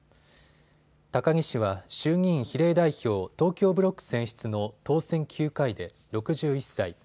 高木氏は衆議院比例代表東京ブロック選出の当選９回で６１歳。